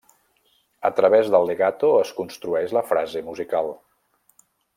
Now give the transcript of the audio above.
A través del legato es construeix la frase musical.